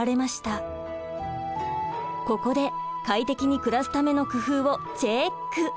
ここで快適に暮らすための工夫をチェック！